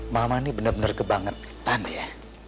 mama ini bener bener kebangetan ya